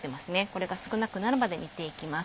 これが少なくなるまで煮ていきます。